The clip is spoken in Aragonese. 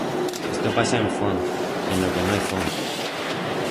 Esto pasa en Fonz, y en lo que no é Fonz.